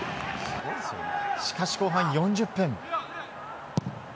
しかし、後半４０分。